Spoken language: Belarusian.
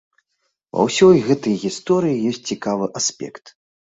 Ва ўсёй гэтай гісторыі ёсць цікавы аспект.